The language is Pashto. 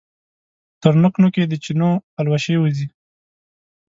تر نوک، نوک یې د چینو پلوشې وځي